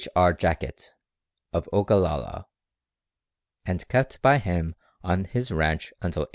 R. Jackett, of Ogalalla, and kept by him on his ranch until 1885.